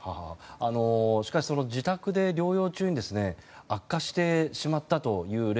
しかし、自宅で療養中に悪化してしまったという例